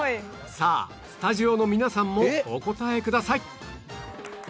さあスタジオの皆さんもお答えください